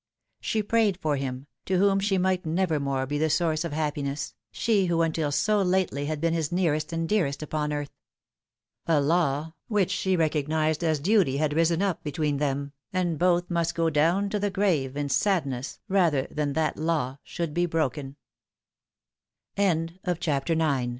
She prayed for him, to whom she might nevermore be the source of happiness, she who until so lately had been his nearest and dearest upon earth. A law which she recognised as duty had risen up between them, and both must go down to the grave in sadness rather than th